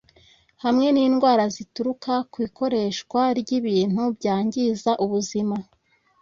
hamwe n’indwara zituruka ku ikoreshwa ry’ibintu byangiza ubuzima